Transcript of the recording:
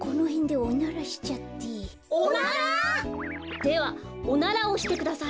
おなら？ではおならをしてください。